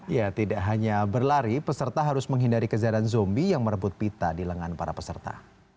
ya tidak hanya berlari peserta harus menghindari kejaran zombie yang merebut pita di lengan para peserta